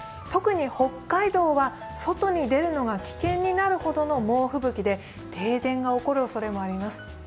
特に北海道は外に出るのが危険になるほどの猛吹雪で停電が起こるおそれもあります。